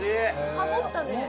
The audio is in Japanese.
ハモったね。